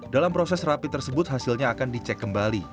dalam proses rapi tersebut hasilnya akan dicek kembali